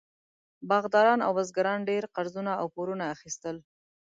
باغداران او بزګرانو ډېر قرضونه او پورونه اخیستل.